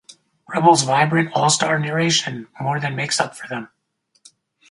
Prebble's vibrant, all-star narration more than makes up for them.